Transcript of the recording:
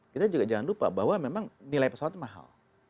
kita juga jangan lupa bahwa memang nilai pesawat mahal